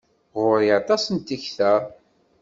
Ɣur-i aṭas n tekta.